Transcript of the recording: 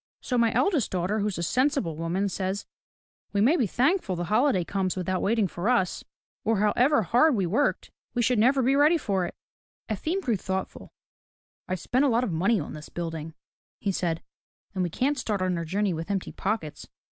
So my eldest daughter who's a sensible woman, says: *We may be thank ful the holiday comes without waiting for us, or, however hard we worked, we should never be ready for it.' " Efim grew thoughtful. "I've spent a lot of money on this building," he said, "and we can't start on our journey with empty pockets.